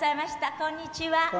こんにちは。